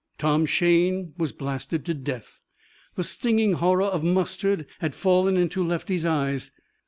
Tom Shayne was blasted to death. The stinging horror of mustard had fallen into Lefty's eyes.